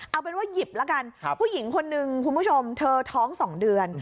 เอาเป็นว่าหยิบแล้วกันผู้หญิงคนนึงคุณผู้ชมเธอท้อง๒เดือน